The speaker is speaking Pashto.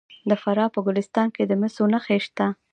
د فراه په ګلستان کې د مسو نښې شته.